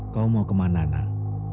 kau mau kemana anak